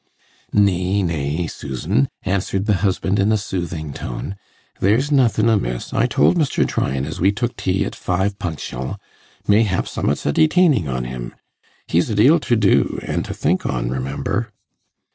'Nay, nay, Susan,' answered the husband in a soothing tone, 'there's nothin' amiss. I told Mr. Tryan as we took tea at five punctial; mayhap summat's a detainin' on him. He's a deal to do, an' to think on, remember.